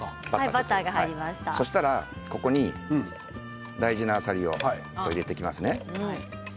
そうしたらここに大事なあさりを入れていきますね。